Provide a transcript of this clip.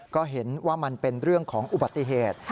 ก็เห็นว่ามันเป็นเรื่องของอุบัติเหตุ